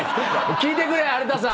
聞いてくれ有田さん！